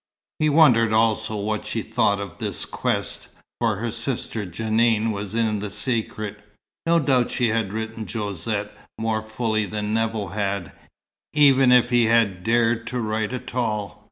He wondered also what she thought of this quest; for her sister Jeanne was in the secret. No doubt she had written Josette more fully than Nevill had, even if he had dared to write at all.